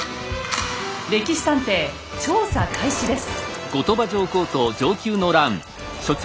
「歴史探偵」調査開始です。